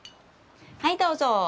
はいどうぞ。